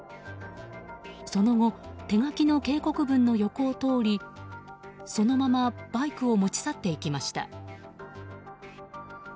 その後手書きの警告文の横を通りそのままバイクを持ち去っていきました。